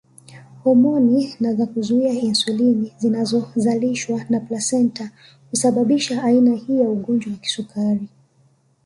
Homoni za kuzuia insulini zinazozalishwa na plasenta husababisha aina hii ya ugonjwa wa kisukari